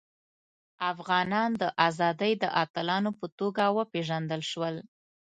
افغانان د ازادۍ د اتلانو په توګه وپيژندل شول.